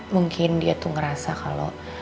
mungkin dia tuh ngerasa kalau